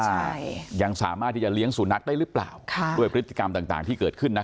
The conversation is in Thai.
ใช่ยังสามารถที่จะเลี้ยงสุนัขได้หรือเปล่าค่ะด้วยพฤติกรรมต่างต่างที่เกิดขึ้นนะ